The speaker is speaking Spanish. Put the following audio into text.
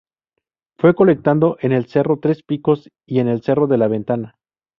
Fue colectado en el cerro Tres Picos y en el cerro de la Ventana.